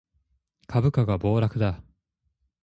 株価が暴落だ